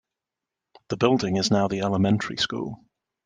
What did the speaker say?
The building is now the elementary school.